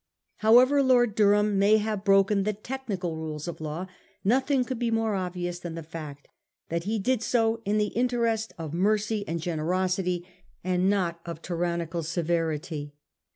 However Lord Durham may have broken the technical rules of law, nothing could be more obvious than the fact that he did so in the interest of mercy and generosity, and not that of tyrannical .severity.